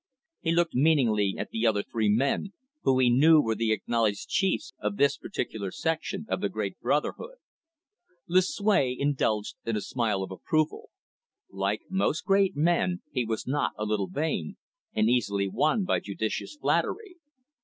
He looked meaningly at the other three men, who he knew were the acknowledged chiefs of this particular section of the great brotherhood. Lucue indulged in a smile of approval. Like most great men, he was not a little vain, and easily won by judicious flattery.